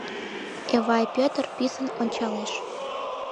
Эвай Пӧтыр писын ончалеш.